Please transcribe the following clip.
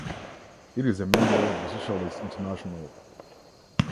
It is a member of the Socialist International.